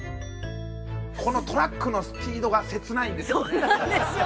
このトラックのスピードが切ないんですよね。